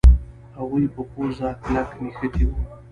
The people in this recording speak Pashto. هغوی په پوزه کلک نښتي وو.